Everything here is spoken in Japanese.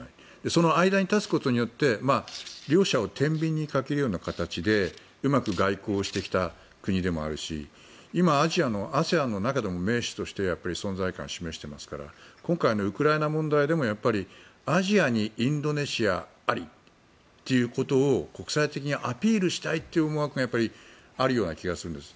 その間に立つことによって両者をてんびんにかけるような形でうまく外交をしてきた国でもあるし今、アジアのＡＳＥＡＮの中でも盟主として存在感を示していますから今回のウクライナ問題でもアジアにインドネシアありっていうことを国際的にアピールしたいという思惑があるような気がするんです。